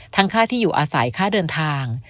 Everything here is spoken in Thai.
ค่าที่อยู่อาศัยค่าเดินทาง